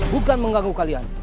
bukan mengganggu kalian